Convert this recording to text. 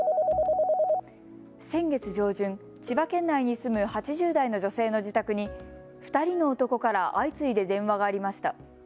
先月上旬、千葉県内に住む８０代の女性の自宅に２人の男から相次いで電話がありました。